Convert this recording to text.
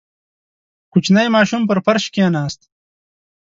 • کوچنی ماشوم پر فرش کښېناست.